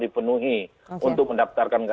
dipenuhi untuk mendaptarkan